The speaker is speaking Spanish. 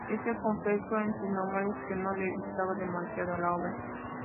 Este confesó en sus memorias que no le gustaba demasiado la obra.